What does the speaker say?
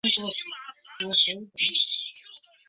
古坟时代虽有后期聚落。